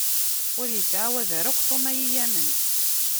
Ur ittɛawad ara akk Tom ad yi-yamen.